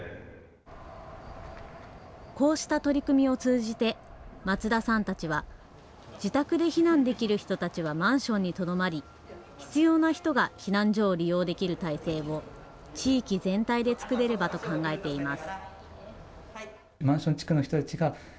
こうした取り組みを通じて松田さんたちは自宅で避難できる人たちはマンションにとどまり必要な人が避難所を利用できる体制を地域全体で作れればと考えています。